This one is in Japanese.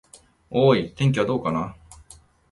おーーい、天気はどうかな。